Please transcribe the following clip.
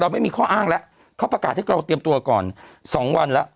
ไม่มีข้ออ้างแล้วเขาประกาศให้เราเตรียมตัวก่อน๒วันแล้ว